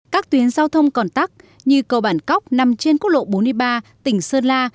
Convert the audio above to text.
các tuyến giao thông còn tắt như cầu bản cóc nằm trên quốc lộ bốn mươi ba tỉnh sơn la